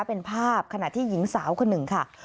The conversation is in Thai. เป็นภาพขณะที่หญิงสาวคนหนึ่งค่ะ